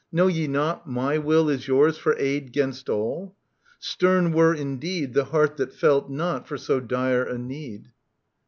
Know ye not, my will Is yours for aid 'gainst all ? Stern were indeed The heart that felt not for so dire a necd.